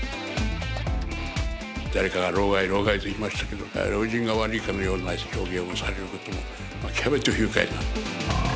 誰かが「老害老害」と言いましたけど老人が悪いかのような表現をされることも極めて不愉快な。